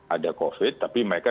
ada covid tapi mereka